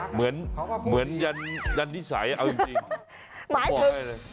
เหมือนยันนิสัยเอาจริง